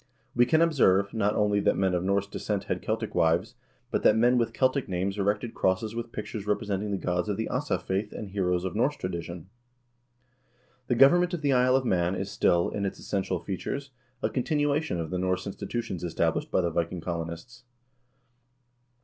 "We can observe, not only that men of Norse descent had Celtic wives, but that men with Celtic names erected crosses with pictures representing the gods of the Asa faith and heroes of Norse tradition." 3 The government of the Isle of Man is still, in its essential features, a continuation of the Norse institutions established by the Viking colonists.